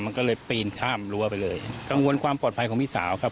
มันก็เลยปีนข้ามรั้วไปเลยกังวลความปลอดภัยของพี่สาวครับ